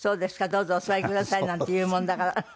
「どうぞお座りください」なんて言うもんだから。